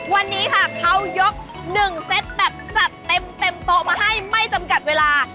วันนี้ค่ะเขายก๑เซตแบบจัดเต็มโต๊ะมาให้ไม่จำกัดเวลา